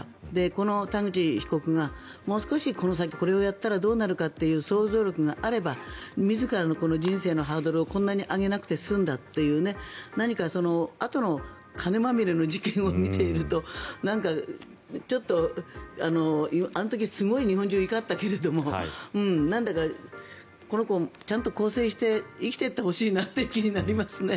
この田口被告が、もう少しこの先これをやったらどうなるかという想像力があれば自らの人生のハードルをこんなに上げなくて済んだという何か、あとの金まみれの事件を見ているとなんかちょっとあの時、すごい日本中怒ったけどもなんだかこの子ちゃんと更生して生きていってほしいなという気になりますね。